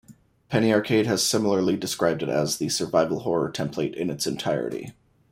"Penny Arcade" has similarly described it as "the Survival Horror template in its entirety".